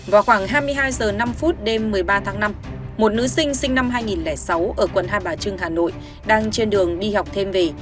vào khoảng hai mươi hai h năm đêm một mươi ba tháng năm một nữ sinh năm hai nghìn sáu ở quận hai bà trưng hà nội đang trên đường đi học thêm về